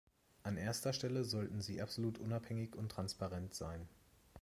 An erster Stelle sollten sie absolut unabhängig und transparent sein.